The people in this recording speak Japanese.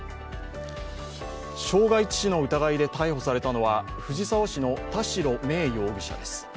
傷害致死の疑いで逮捕されたのは藤沢市の田代芽衣容疑者です。